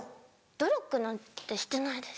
努力なんてしてないです。